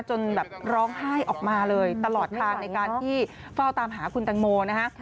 จนแบบร้องไห้ออกมาเลยตลอดทางในการที่เฝ้าตามหาคุณตังโมนะฮะ